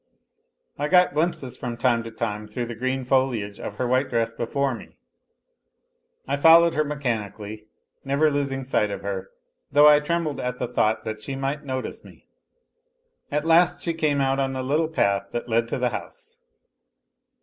I got glimpses from time to time through the green foliage of her white dress before me : I followed her mechanically, never losing sight of her, though I trembled at the thought that she might notice me. At last she came out on the little path that led to the house.